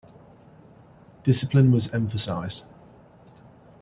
Discipline was emphasised.